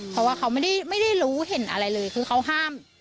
เพราะว่าเขาไม่ได้รู้เห็นอะไรเลยคือเขาห้าม